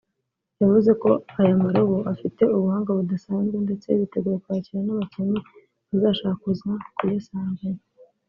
yavuze ko aya marobo afite ubuhanga budasanzwe ndetse biteguye kwakira n’abakinnyi bazashaka kuza kuyasambanya